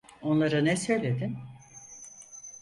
Onlara ne söyledin?